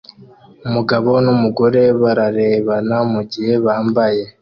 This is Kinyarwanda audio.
Umugabo numugore bararebana mugihe bambaye